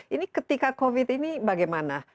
ini ketika covid ini bagaimana